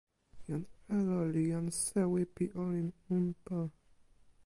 jan Elo li jan sewi pi olin unpa.